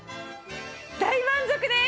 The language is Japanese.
大満足です！